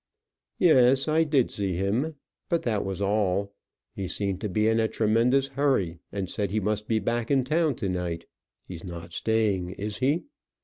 "Yes, I did see him; but that was all. He seemed to be in a tremendous hurry, and said he must be back in town to night. He's not staying, is he?"